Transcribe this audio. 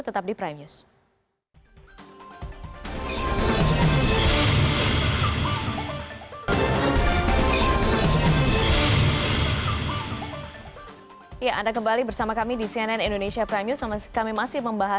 tetap di prime news